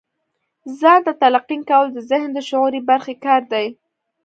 ځان ته تلقين کول د ذهن د شعوري برخې کار دی.